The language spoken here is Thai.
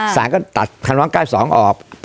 สารก็ตัดคำร้อง๙๒ออก